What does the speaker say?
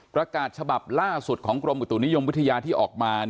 ประกาศฉบับล่าสุดของกรมอุตุนิยมวิทยาที่ออกมา